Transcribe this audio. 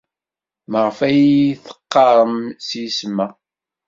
Maɣef ay iyi-d-teɣɣarem s yisem-a?